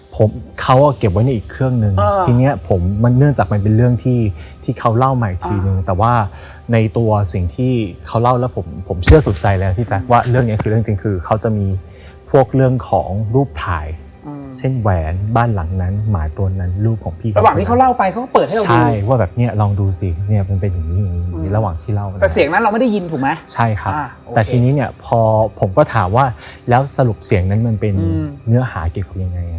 ผมเขาเอาเก็บไว้ในอีกเครื่องหนึ่งอ่าทีเนี้ยผมมันเนื่องจากมันเป็นเรื่องที่ที่เขาเล่ามาอีกทีหนึ่งแต่ว่าในตัวสิ่งที่เขาเล่าแล้วผมผมเชื่อสุดใจแล้วที่แจ๊คว่าเรื่องนี้คือเรื่องจริงคือเขาจะมีพวกเรื่องของรูปถ่ายอืมเช่นแหวนบ้านหลังนั้นหมายตัวนั้นรูปของพี่กั๊กอัดเสียงโทรศัพท์ไว้บันทึกว